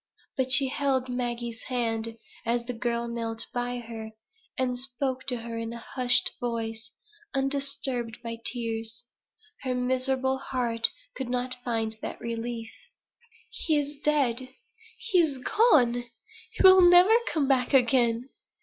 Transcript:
But she held Maggie's hand, as the girl knelt by her, and spoke to her in a hushed voice, undisturbed by tears. Her miserable heart could not find that relief. "He is dead! he is gone! he will never come back again!